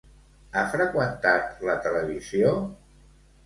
Ha freqüentat la televisió?